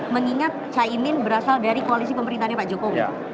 mengingat caimin berasal dari koalisi pemerintahnya pak jokowi